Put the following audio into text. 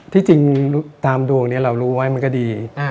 ที่จริงตามดวงนี้เรารู้ไว้มันก็ดี